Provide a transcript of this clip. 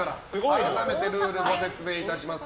改めてルールをご説明します。